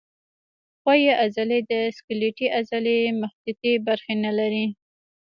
ښویې عضلې د سکلیټي عضلې مخططې برخې نه لري.